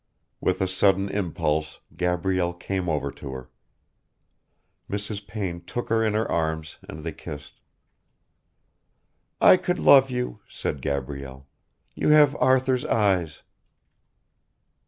With a sudden impulse Gabrielle came over to her. Mrs. Payne took her in her arms and they kissed. "I could love you," said Gabrielle. "You have Arthur's eyes...."